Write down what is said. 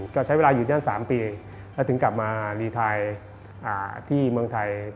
ก็ใช้เวลาอยู่ที่นั่น๓ปีแล้วถึงกลับมารีไทยที่เมืองไทย